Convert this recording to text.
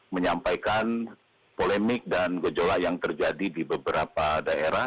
menyampaikan polemik dan gejolak yang terjadi di beberapa daerah